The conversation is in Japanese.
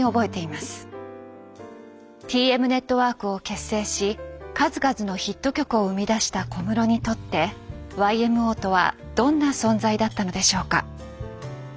ＴＭＮＥＴＷＯＲＫを結成し数々のヒット曲を生み出した小室にとってＹＭＯとはどんな存在だったのでしょうか。